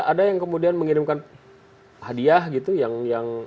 ada yang kemudian mengirimkan hadiah gitu yang